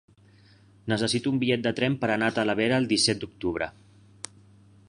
Necessito un bitllet de tren per anar a Talavera el disset d'octubre.